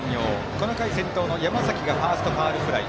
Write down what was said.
この回先頭の山崎がファースト、ファウルフライ。